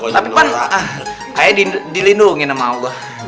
tapi panas kayaknya dilindungin sama allah